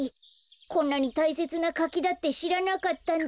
こんなにたいせつなかきだってしらなかったんだ。